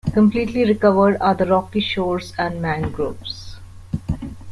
Completely recovered are the rocky shores and mangroves.